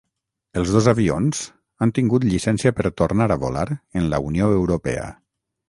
Els dos avions han tingut llicència per tornar a volar en la Unió Europea.